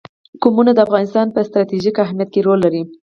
قومونه د افغانستان په ستراتیژیک اهمیت کې رول لري.